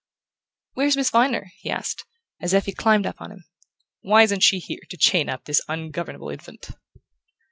"Where's Miss Viner?" he asked, as Effie climbed up on him. "Why isn't she here to chain up this ungovernable infant?"